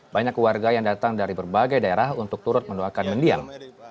banyak warga yang datang dari berbagai daerah untuk turut mendoakan mendiang